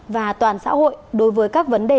và toàn xã hội đối với các vấn đề